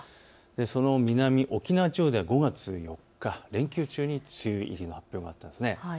その南、沖縄地方では５月４日、連休中に梅雨入りの発表があったんです。